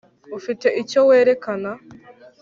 ufite icyo werekana